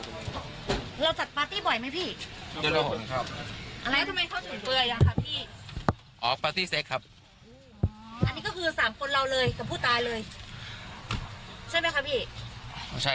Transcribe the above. อันนี้อันนี้หนึ่งสามคนเราเลยกับผู้ตายเลยใช่ไหมค่ะพี่ขอใช่